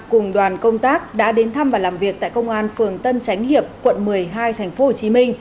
cùng đoàn công tác đã đến thăm và làm việc tại công an phường tân chánh hiệp quận một mươi hai tp hcm